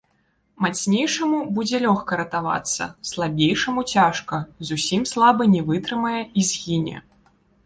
Мацнейшаму будзе лёгка ратавацца, слабейшаму цяжка, зусім слабы не вытрымае і згіне.